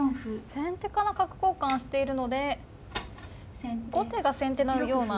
先手から角交換しているので後手が先手のような。